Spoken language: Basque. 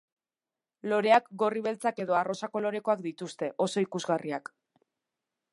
Loreak gorri-beltzak edo arrosa kolorekoak dituzte, oso ikusgarriak.